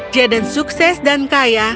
jaden sukses dan kaya